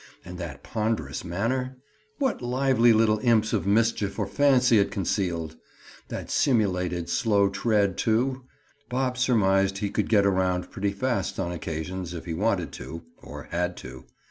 And that ponderous manner?—What lively little imps of mischief or fancy it concealed! That simulated slow tread, too?—Bob surmised he could get around pretty fast on occasions, if he wanted to, or had to.